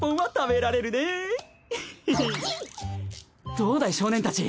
どうだい少年たち